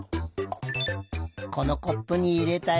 このコップにいれたよ。